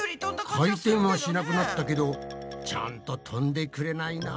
回転はしなくなったけどちゃんと飛んでくれないな。